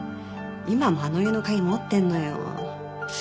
今もあの家の鍵持ってるのよ。